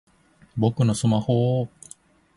僕のスマホぉぉぉ！